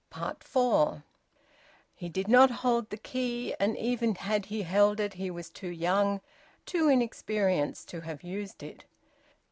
FOUR. He did not hold the key, and even had he held it he was too young, too inexperienced, to have used it.